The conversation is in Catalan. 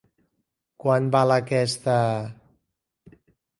Quant val aquesta...?